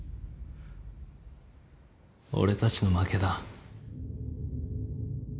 俺たちの負けだ。